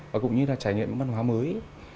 và cũng như là trải nghiệm những văn hóa mới